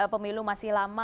pemilu masih lama